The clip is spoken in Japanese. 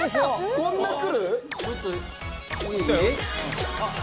こんなくる？